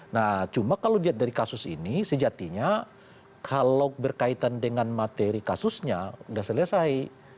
nah cuma kalau dilihat dari kasus ini sejatinya kalau berkaitan dengan materi kasusnya sudah selesai